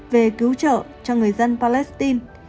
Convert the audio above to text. về cứu trợ cho người dân palestine